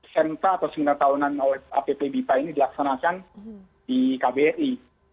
semta atau singdar tahunan oleh app bipa ini dilaksanakan di kbi